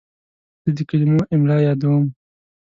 زه د کلمو املا یادوم.